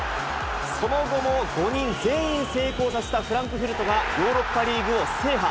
その後も５人全員成功させたフランクフルトが、ヨーロッパリーグを制覇。